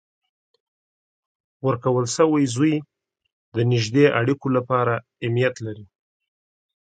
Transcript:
ورکول سوی زوی د نږدې اړیکو لپاره اهمیت لري.